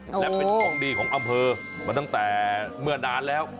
และเป็นของดีของอำเภอมาตั้งแต่เมื่อนานแล้ว